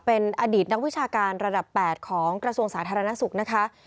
เป็นอดีตนักวิชาการระดับ๘ของกระทรวงสาธารณสุขนะคะ